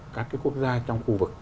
các cái quốc gia trong khu vực